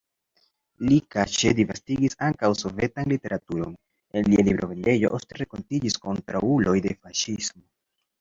Li kaŝe disvastigis ankaŭ sovetan literaturon, en lia librovendejo ofte renkontiĝis kontraŭuloj de faŝismo.